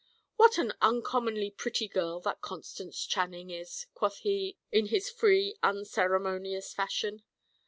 "What an uncommonly pretty girl that Constance Channing is!" quoth he, in his free, unceremonious fashion.